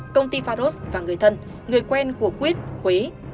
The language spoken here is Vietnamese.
công ty farros và người thân người quen của quyết huế